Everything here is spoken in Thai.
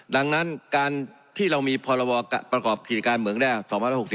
ดังนั้นการที่เรามีพรบประกอบกิจการเมืองแรก๒๐๖๐